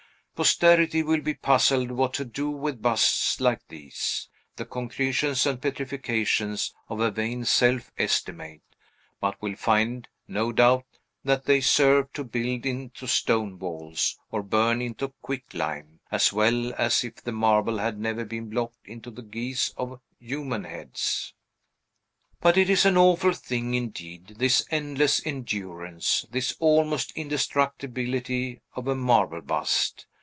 Posterity will be puzzled what to do with busts like these, the concretions and petrifactions of a vain self estimate; but will find, no doubt, that they serve to build into stone walls, or burn into quicklime, as well as if the marble had never been blocked into the guise of human heads. But it is an awful thing, indeed, this endless endurance, this almost indestructibility, of a marble bust!